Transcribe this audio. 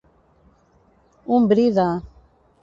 Un bri de.